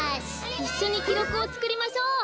いっしょにきろくをつくりましょう。